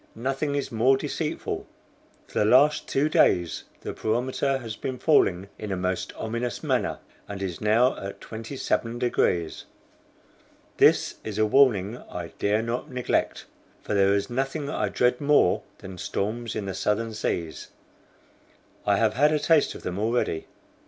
Nothing is more deceitful. For the last two days the barometer has been falling in a most ominous manner, and is now at 27 degrees. This is a warning I dare not neglect, for there is nothing I dread more than storms in the Southern Seas; I have had a taste of them already.